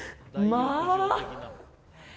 まあ！